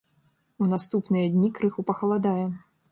У наступныя дні крыху пахаладае.